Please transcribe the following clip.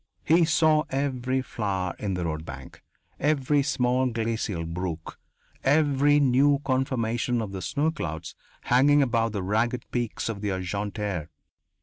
He saw every flower in the roadbank, every small glacial brook, every new conformation of the snow clouds hanging above the ragged peaks of the Argentières.